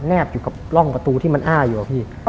แบอยู่กับร่องประตูที่มันอ้าอยู่อะพี่